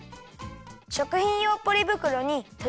しょくひんようポリぶくろにとりひき肉